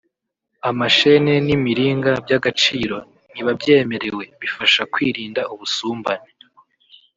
amasheni n’imiringa by’agaciro ntibabyemererwe bifasha kwirinda ubusumbane